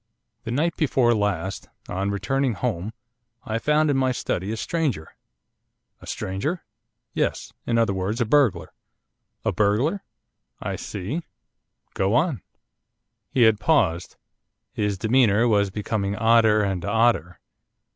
'The night before last, on returning home, I found in my study a stranger.' 'A stranger?' 'Yes. In other words, a burglar.' 'A burglar? I see. Go on.' He had paused. His demeanour was becoming odder and odder.